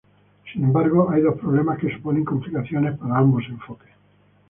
Sin embargo, hay dos problemas que suponen complicaciones para ambos enfoques.